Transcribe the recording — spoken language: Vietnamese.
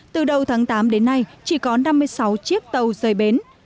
từ đầu tháng tám đến nay chỉ có năm mươi sáu chiếc tàu rời bến